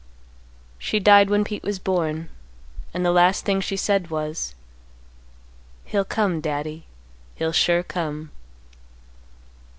"She died when Pete was born, and the last thing she said was, 'He'll come, Daddy, he'll sure come.